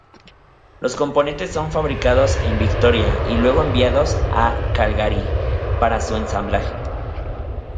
Los componentes son fabricados en Victoria y luego enviados a Calgary para su ensamblaje.